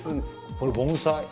これ盆栽。